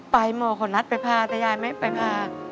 หมอเขานัดไปพาแต่ยายไม่ไปพา